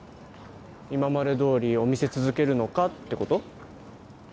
今までどおりお店続けるのかってこと？